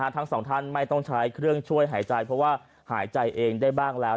ทั้งสองท่านไม่ต้องใช้เครื่องช่วยหายใจเพราะว่าหายใจเองได้บ้างแล้ว